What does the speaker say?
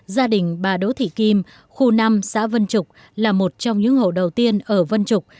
gia đình bà đỗ thị kim khu năm xã vân trục là một trong những hộ đầu tiên ở vân trục